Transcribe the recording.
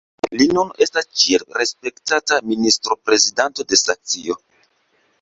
Li nun estas ĉiel respektata ministroprezidanto de Saksio.